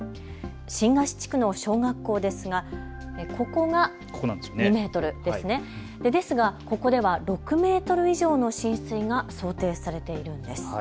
新河岸地区の小学校ですがここが２メートルですね、ですがここでは６メートル以上の浸水が想定されているんです。